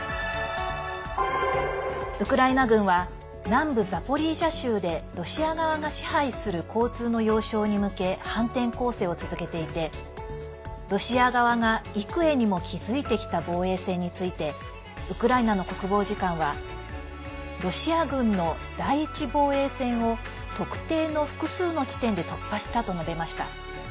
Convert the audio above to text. ウクライナ軍は南部ザポリージャ州でロシア側が支配する交通の要衝に向け反転攻勢を続けていてロシア側が幾重にも築いてきた防衛線についてウクライナの国防次官はロシア軍の第１防衛線を特定の複数の地点で突破したと述べました。